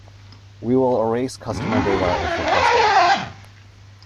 We will erase customer data if requested.